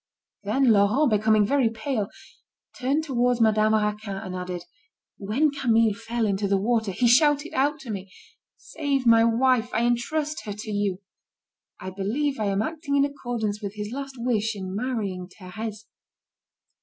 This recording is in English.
Then Laurent, becoming very pale, turned towards Madame Raquin, and added: "When Camille fell into the water, he shouted out to me: 'Save my wife, I entrust her to you.' I believe I am acting in accordance with his last wish in marrying Thérèse."